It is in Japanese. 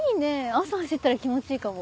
朝走ったら気持ちいいかも。